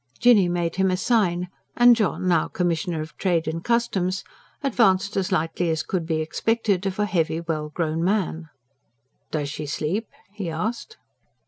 Jinny made him a sign, and John, now Commissioner of Trade and Customs, advanced as lightly as could be expected of a heavy, well grown man. "Does she sleep?" he asked.